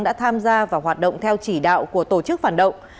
đã tham gia vào hoạt động theo chỉ đạo của tổ chức phản động